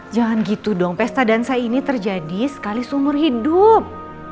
jangan gitu dong pesta dansa ini terjadi sekali seumur hidup